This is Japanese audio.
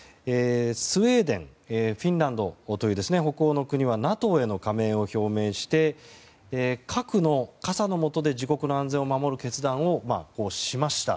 スウェーデンフィンランドという北欧の国はＮＡＴＯへの加盟を表明して核の傘の下で自国の安全を守る決断をしました。